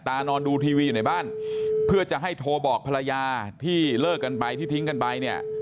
นอนดูทีวีอยู่ในบ้านเพื่อจะให้โทรบอกภรรยาที่เลิกกันไปที่ทิ้งกันไปเนี่ย